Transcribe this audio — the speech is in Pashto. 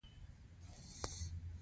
ښایست د هیلو زور دی